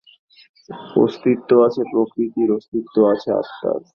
অস্তিত্ব আছে প্রকৃতির, অস্তিত্ব আছে আত্মার।